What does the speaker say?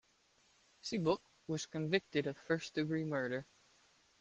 Seabok was convicted of first degree murder.